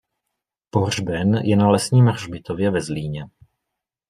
Pohřben je na Lesním hřbitově ve Zlíně.